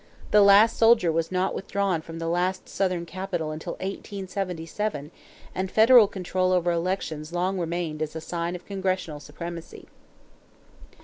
The last soldier was not withdrawn from the last Southern capital until 1877, and federal control over elections long remained as a sign of congressional supremacy.